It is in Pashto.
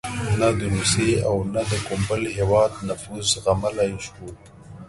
نه د روسیې او نه د کوم بل هېواد نفوذ زغملای شو.